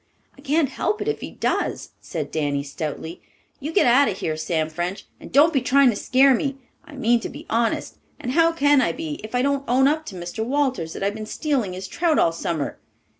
"I can't help it if he does," said Danny stoutly. "You get out of here, Sam French, and don't be trying to scare me. I mean to be honest, and how can I be if I don't own up to Mr. Walters that I've been stealing his trout all summer?"